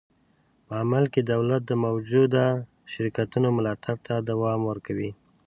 په عمل کې دولت د موجوده شرکتونو ملاتړ ته دوام ورکوي.